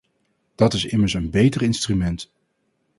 Dat is immers een beter instrument.